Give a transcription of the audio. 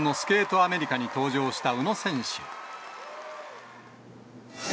アメリカに登場した宇野選手。